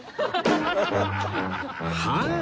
はい。